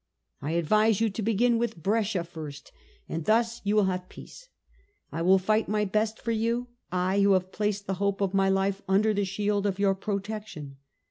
I advise you to begin with Brescia first, and thus you will have peace. I will fight my best for you, I who have placed the hope of my life under the shield of your protection."